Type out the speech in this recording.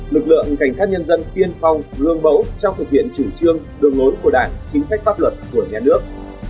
lực lượng cảnh sát nhân dân tiên phong lương bẫu trong thực hiện chủ trương đường ngối của đảng chính sách pháp luật của nhà nước